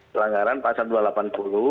pelanggaran pasal dua ratus delapan puluh